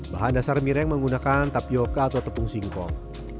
bahan dasar mie yang menggunakan tapioca atau tepung singkong